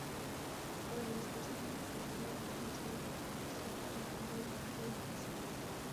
Por el escaso tiempo que fue gobernador, se lo caracterizó como un gobernante ineficiente.